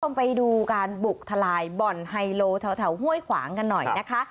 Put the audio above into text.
ไปดูการบุกทลายบ่อนไฮโลแถวห้วยขวางกันหน่อยนะคะ